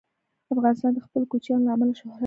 افغانستان د خپلو کوچیانو له امله شهرت لري.